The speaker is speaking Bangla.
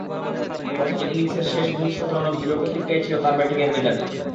প্রথম ইনিংসের শেষ ভুল শোধরানোর দৃঢ় প্রতিজ্ঞাই ছিল তাঁর ব্যাটিংয়ের মেজাজে।